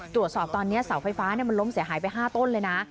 ตรวจสอบตอนนี้เสาไฟฟ้ามันล้มเสียหายไป๕ต้นเลยนะ